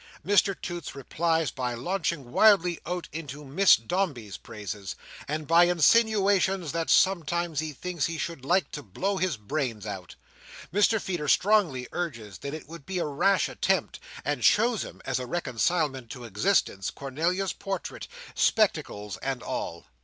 Mr Toots replies by launching wildly out into Miss Dombey's praises, and by insinuations that sometimes he thinks he should like to blow his brains out. Mr Feeder strongly urges that it would be a rash attempt, and shows him, as a reconcilement to existence, Cornelia's portrait, spectacles and all.